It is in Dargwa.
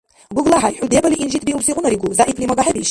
ГуглахӀяй, хӀу дебали инжитбиубсиигъунаригу. ЗягӀипли мага хӀебииши?